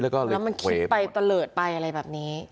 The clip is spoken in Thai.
แล้วมันคิดไปตะเลิศไปอะไรแบบนี้